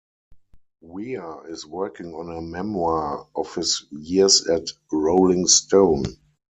Weir is working on a memoir of his years at Rolling Stone.